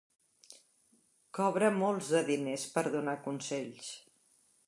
Cobra molts de diners per donar consells.